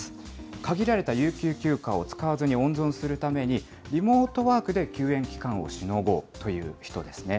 限られた有給休暇を使わずに温存するために、リモートワークで休園期間をしのごうという人ですね。